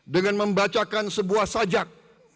dengan membacakan sebuah sajak